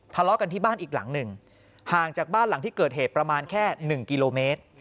ทะเลาะกันที่บ้านอีกหลังหนึ่งห่างจากบ้านหลังที่เกิดเหตุประมาณแค่๑กิโลเมตร